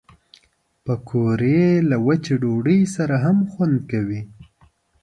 پکورې له وچې ډوډۍ سره هم خوند کوي